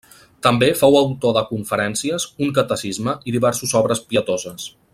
També fou autor de conferències, un catecisme i diverses obres pietoses.